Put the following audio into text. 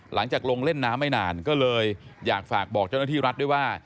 หลังจากลงเล่นน้ำไม่นานก็เลยอยากฝากบอกเจ้าหน้าที่รัฐด้วยว่า